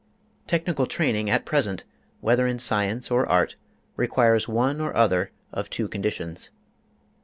Technical training at present, whether in science or art, requires one or other of two conditions.